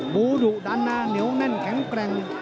บูดุดันนะเหนียวแน่นแข็งแกร่ง